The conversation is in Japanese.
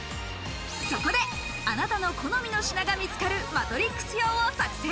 そこであなたの好みの品が見つかるマトリックス表を作成。